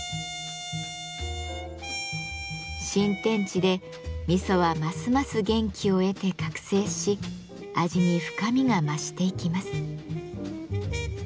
新天地で味噌はますます元気を得て覚醒し味に深みが増していきます。